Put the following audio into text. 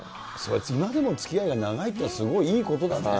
今でもつきあいが長いっていうのは、すごいいいことだね。